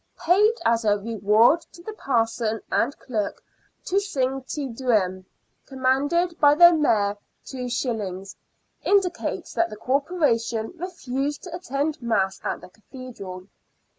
" Paid as a reward to the parson and clerk to sing Te Deum, commanded by the Mayor, 2s.," in dicates that the Corporation refused to attend Mass at the Cathedral.